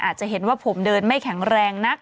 อาจจะเห็นว่าผมเดินไม่แข็งแรงนัก